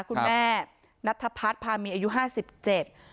คุณแม่นัทพัฒน์พามีอายุห้าสิบเจ็ด